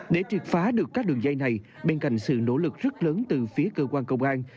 để triệt phá được các đường dây này bên cạnh sự nỗ lực rất lớn từ phía cơ quan công an